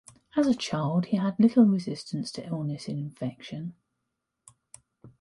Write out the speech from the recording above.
As a child, he had little resistance to illness and infection.